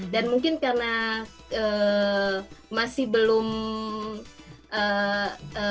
dan mungkin karena masih belum bisa offline